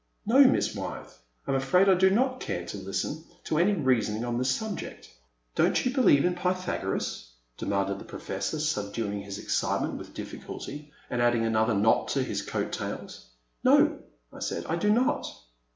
'' No, Miss Wyeth, I am afraid I do not care to listen to any reasoning on this subject." Don't you believe in Pythagoras ?'' demanded the Professor, subduing his excitement with diffi culty, and adding anotiier knot to his coat tails. '*No," I said, *' I do not."